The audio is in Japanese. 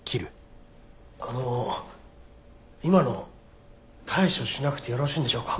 あの今の対処しなくてよろしいんでしょうか？